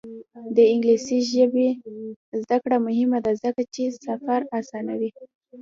د انګلیسي ژبې زده کړه مهمه ده ځکه چې سفر اسانوي.